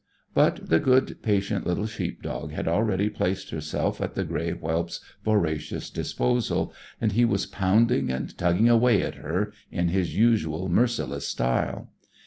But the good, patient little sheep dog had already placed herself at the grey whelp's voracious disposal, and he was pounding and tugging away at her in his usual merciless style.